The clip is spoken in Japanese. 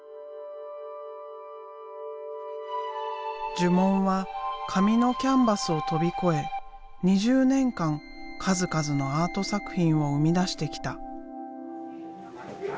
呪文は紙のキャンバスを飛び越え２０年間数々のアート作品を生み出してきた。